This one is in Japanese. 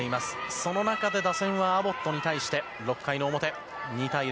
その中で打線はアボットに対して６回の表、２対０。